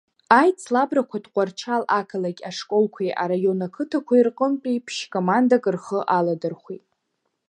Аицлабрақәа Ҭҟәарчал ақалақь ашколқәеи араион ақыҭақәеи рҟынтәи ԥшь-командак рхы аладырхәит.